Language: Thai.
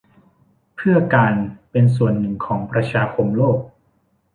เพื่อการเป็นส่วนหนึ่งของประชาคมโลก